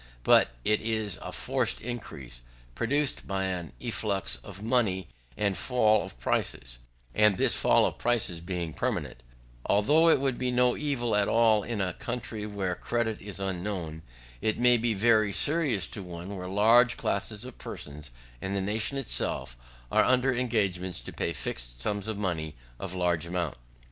But it is a forced increase, produced by an efflux of money and fall of prices; and this fall of prices being permanent, although it would be no evil at all in a country where credit is unknown, it may be a very serious one where large classes of persons, and the nation itself, are under engagements to pay fixed sums of money of large amount.